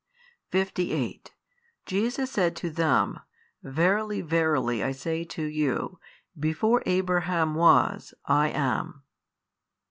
58 Jesus said to them, Verily verily I say to you, before Abraham was I am.